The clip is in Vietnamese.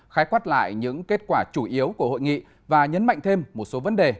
khái quát lại những kết quả chủ yếu của hội nghị và nhấn mạnh thêm một số vấn đề